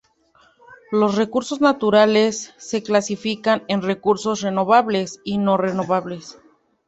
Los recursos naturales se clasifican en recursos renovables y no renovables.